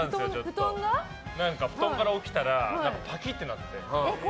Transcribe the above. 布団から起きたらパキッとなって。